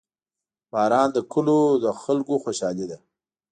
• باران د کلیو د خلکو خوشحالي ده.